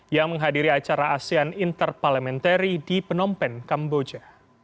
yang menghadiri acara asean interparlementary di penompen kamboja